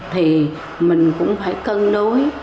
thì mình cũng phải cân đối